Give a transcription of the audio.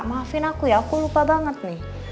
maafin aku ya aku lupa banget nih